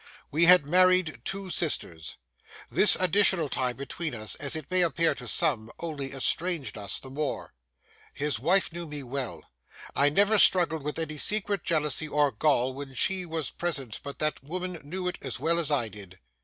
We had married two sisters. This additional tie between us, as it may appear to some, only estranged us the more. His wife knew me well. I never struggled with any secret jealousy or gall when she was present but that woman knew it as well as I did.